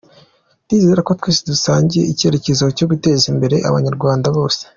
Ndizera ko twese dusangiye icyerekezo cyo guteza imbere Abanyarwanda bose.